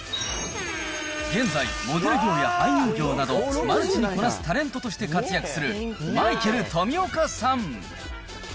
現在、モデル業や俳優業など、マルチにこなすタレントとして活躍する、マイケル富岡さん。